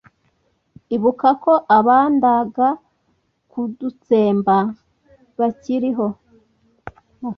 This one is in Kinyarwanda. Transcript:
ibuka ko abendaga kudutsemba bakiriho